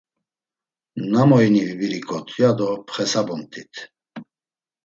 Nam oyini vibiriǩot, ya do pxesabumt̆it.